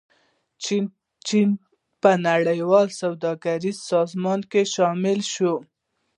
چین په نړیواله سوداګریزې سازمان کې شامل شو.